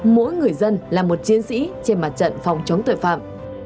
mỗi người dân là một chiến sĩ trên mặt trận phòng chống tội phạm